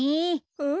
うん。